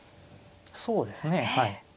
そうですねはい。